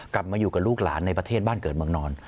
กลับมาอยู่กับลูกหลานในประเทศบ้านเกิดเมืองนอน